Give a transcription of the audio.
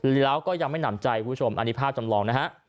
แล้วเราก็ยังไม่หน่ำใจอันนี้ภาพจำลองนะฮะ